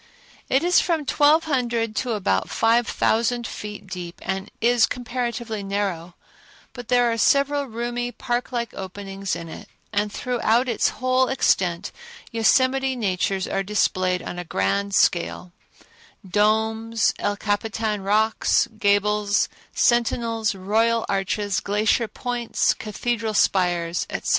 It is from twelve hundred to about five thousand feet deep, and is comparatively narrow, but there are several roomy, park like openings in it, and throughout its whole extent Yosemite natures are displayed on a grand scale—domes, El Capitan rocks, gables, Sentinels, Royal Arches, Glacier Points, Cathedral Spires, etc.